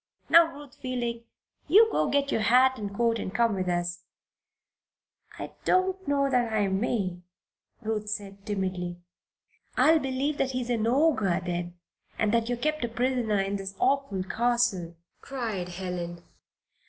Now Ruth Fielding, you get your hat and coat and come with us." "I don't know that I may," Ruth said, timidly. "I'll believe that he is an ogre then, and that you are kept a prisoner in this awful castle," cried Helen.